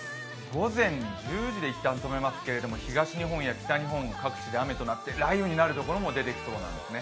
午前１０時で一旦止めますけれども東日本、西日本各地で雨が降っていて、雷雨になる所も出てきそうなんですね。